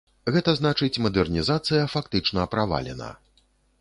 Гэта значыць, мадэрнізацыя фактычна правалена.